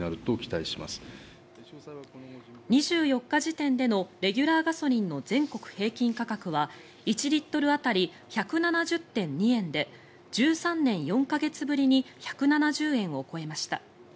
２４日時点でのレギュラーガソリンの全国平均価格は１リットル当たり１７０．２円で１３年４か月ぶりに１７０円を超えました。